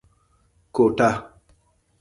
کوټه